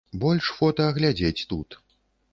Больш фота глядзець тут.